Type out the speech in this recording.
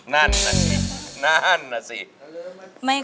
นั่นน่ะสิ